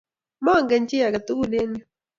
Mongen chi age tugul eng' yu.